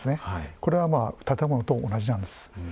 これは建物と同じなんです。